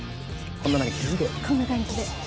こんな感じで。